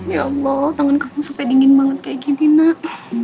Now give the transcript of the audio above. ya allah tangan kamu sampai dingin banget kayak gini nak